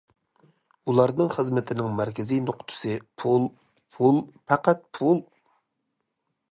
ئۇلارنىڭ خىزمىتىنىڭ مەركىزىي نۇقتىسى پۇل، پۇل، پەقەت پۇل!